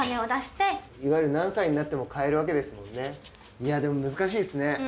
いやでも難しいですね。